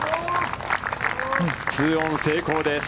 ツーオン成功です。